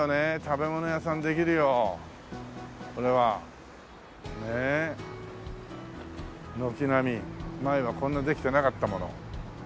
食べ物屋さんできるよこれは。ねえ軒並み前はこんなできてなかったもの。